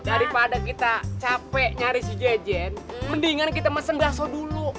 daripada kita capek nyari si jajan mendingan kita mesen bakso dulu